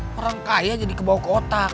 perang kaya jadi kebawa kotak